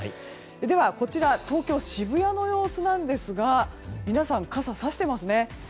では、こちら東京・渋谷の様子なんですが皆さん、傘さしていますね。